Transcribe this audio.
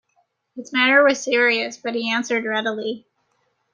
His manner was serious, but he answered readily.